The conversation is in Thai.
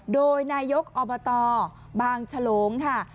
โดยนายกอบตบางฉลงค่ะ